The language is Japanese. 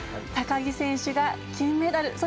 高木選手が金メダル。